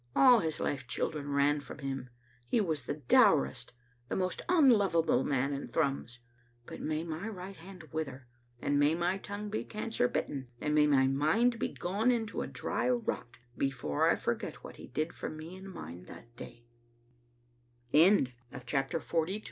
All his life children ran from him. He was the dourest, the most unlovable man in Thrums. But may my right hand wither, and may my tongue be cancer bitten, and may my mind be gone into a dry rot, before I forget what he did f